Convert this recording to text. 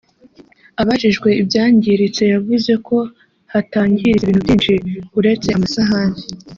Abajijwe ibyangiritse yavuze ko hatangiritse ibintu byinshi uretse amasahani